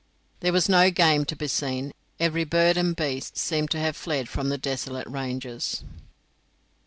There was no game to be seen; every bird and beast seemed to have fled from the desolate ranges.